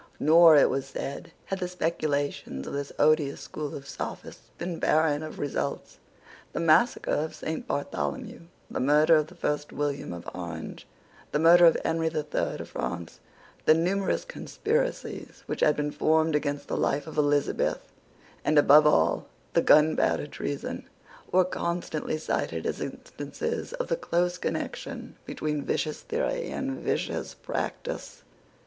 Nor, it was said, had the speculations of this odious school of sophists been barren of results. The massacre of Saint Bartholomew, the murder of the first William of Orange, the murder of Henry the Third of France, the numerous conspiracies which had been formed against the life of Elizabeth, and, above all, the gunpowder treason, were constantly cited as instances of the close connection between vicious theory and vicious practice.